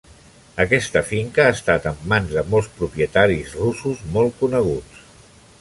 Aquesta finca ha estat en mans de molts propietaris russos molt coneguts.